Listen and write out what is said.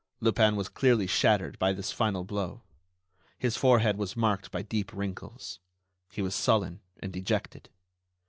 Lupin was clearly shattered by this final blow. His forehead was marked by deep wrinkles. He was sullen and dejected.